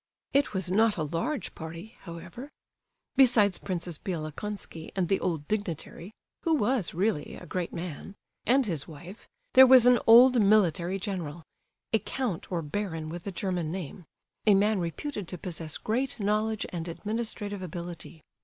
It was not a large party, however. Besides Princess Bielokonski and the old dignitary (who was really a great man) and his wife, there was an old military general—a count or baron with a German name, a man reputed to possess great knowledge and administrative ability.